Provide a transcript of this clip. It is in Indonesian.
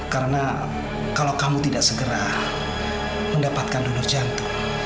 karena kalau kamu tidak segera mendapatkan donur jantung